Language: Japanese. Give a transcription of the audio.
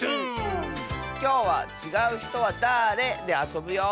きょうは「ちがうひとはだれ？」であそぶよ！